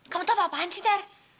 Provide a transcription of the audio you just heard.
kamu tau apa apaan sih dar